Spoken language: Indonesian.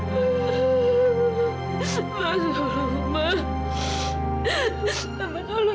dari sekarang mila